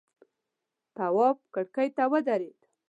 تواب کرکۍ ته ودرېد.